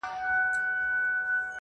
خدایه زموږ ژوند په نوي کال کي کړې بدل.